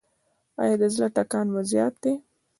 ایا د زړه ټکان مو زیات دی؟